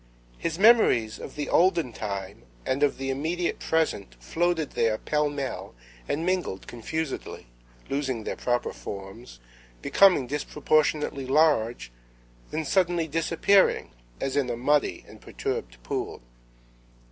His memories of the olden time and of the immediate present floated there pell mell and mingled confusedly, losing their proper forms, becoming disproportionately large, then suddenly disappearing, as in a muddy and perturbed pool.